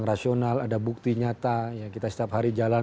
karena banyak tawaran